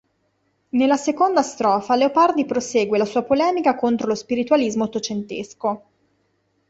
Nella seconda strofa Leopardi prosegue la sua polemica contro lo spiritualismo ottocentesco.